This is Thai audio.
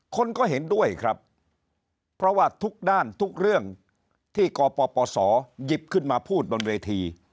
คนก็เห็นด้วยครับเพราะว่าทุกด้านทุกเรื่องที่กปศหยิบขึ้นมาพูดบนเวที